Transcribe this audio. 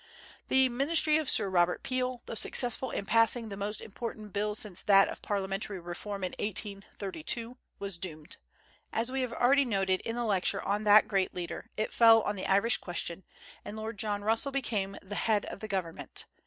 The ministry of Sir Robert Peel, though successful in passing the most important bill since that of Parliamentary reform in 1832, was doomed; as we have already noted in the Lecture on that great leader, it fell on the Irish question, and Lord John Russell became the head of the government.